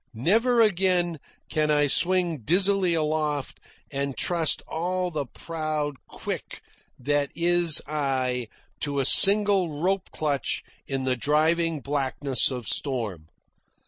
Never again can I swing dizzily aloft and trust all the proud quick that is I to a single rope clutch in the driving blackness of storm.